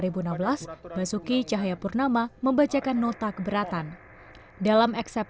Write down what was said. penyelamatnya pak jokowi mengatakan bahwa dia tidak ingin menghina ulama dan agama islam